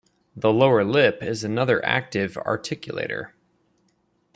The lower lip is another active articulator.